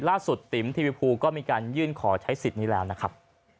ล่าสุดติมที่บีภูย์ก็มีการยื่นขอใช้สิทธิ์นี้แล้วนะครับ